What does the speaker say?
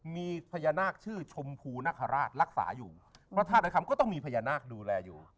มีพญานาคชื่อชมพูนคราชรักษาอยู่พระธาตุอาคัมก็ต้องมีพญานาคดูแลอยู่